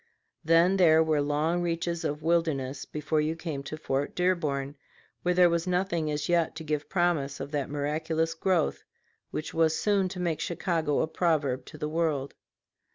Then there were long reaches of wilderness before you came to Fort Dearborn, where there was nothing as yet to give promise of that miraculous growth which was soon to make Chicago a proverb to the world.